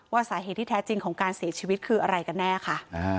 สาเหตุที่แท้จริงของการเสียชีวิตคืออะไรกันแน่ค่ะ